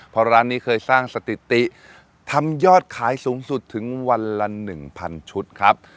เพราะร้านนี้เคยสร้างสถิติทำยอดขายสูงสุดถึงวันละ๑๐๐ชุดครับ